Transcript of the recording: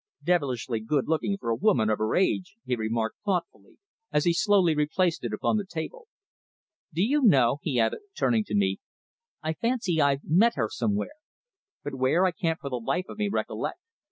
"Devilish good looking for a woman of her age," he remarked thoughtfully, as he slowly replaced it upon the table. "Do you know?" he added, turning to me, "I fancy I've met her somewhere but where I can't for the life of me recollect.